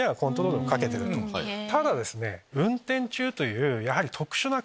ただですね。